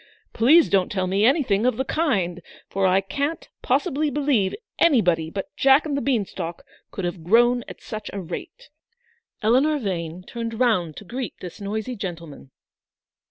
Please don't tell me any thing of the kind, for I can't possibly believe anybody but Jack and the beanstalk could have grown at such a rate." Eleanor Vane turned round to greet this noisy gentleman.